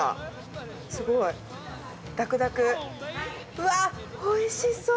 うわぁおいしそう！